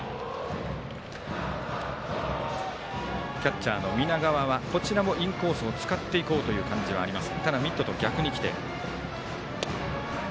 キャッチャーの南川はこちらもインコースを使っていこうという感じがあります。